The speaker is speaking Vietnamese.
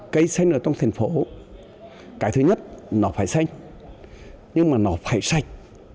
cây xanh ở trong thành phố cái thứ nhất nó phải xanh nhưng mà nó phải sạch